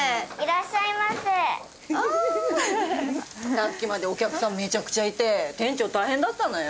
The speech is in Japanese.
さっきまでお客さんメチャクチャいて店長大変だったのよ。